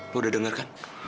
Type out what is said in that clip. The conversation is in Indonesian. lo udah denger kan